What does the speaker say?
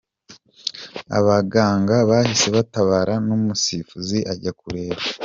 Abaganga bahise batabara n'umusifuzi ajya kureba .